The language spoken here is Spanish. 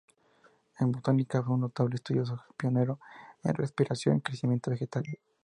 En botánica fue un notable estudioso pionero en respiración y crecimiento vegetal.